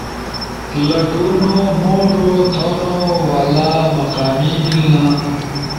لٹونو، موڙو تھونو والا، مقامی بیلنا